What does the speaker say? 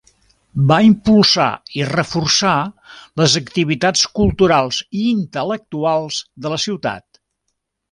Va impulsar i reforçar les activitats culturals i intel·lectuals de la ciutat.